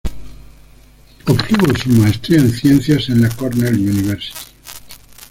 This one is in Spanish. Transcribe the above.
Obtuvo su maestría en ciencias en la Cornell University.